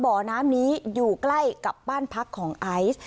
บ่อน้ำนี้อยู่ใกล้กับบ้านพักของไอซ์